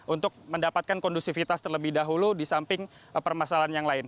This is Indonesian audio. untuk mendapatkan kondusivitas terlebih dahulu di samping permasalahan yang lain